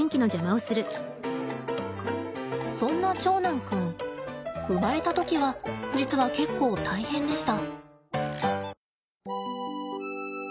そんな長男君生まれた時は実は結構大変でした。